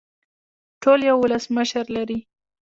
ټول یو ولسمشر لري